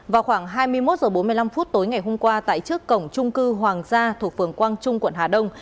vào khoảng hai mươi một h bốn mươi năm tối ngày hôm qua tại trước cổng trung cư hoàng gia thuộc phường quang trung quận hà đông